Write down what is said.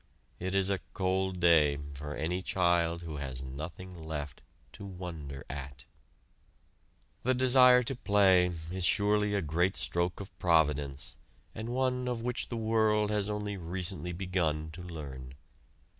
It is a cold day for any child who has nothing left to wonder at. The desire to play is surely a great stroke of Providence, and one of which the world has only recently begun to learn.